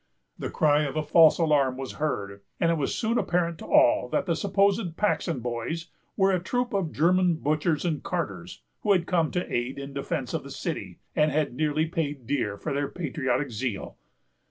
The cry of a false alarm was heard, and it was soon apparent to all that the supposed Paxton Boys were a troop of German butchers and carters, who had come to aid in defence of the city, and had nearly paid dear for their patriotic zeal.